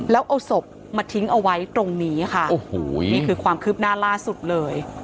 แล้วเอาศพมาทิ้งเอาไว้ตรงนี้ค่ะโอ้โหนี่คือความคืบหน้าล่าสุดเลย